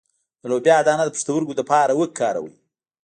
د لوبیا دانه د پښتورګو لپاره وکاروئ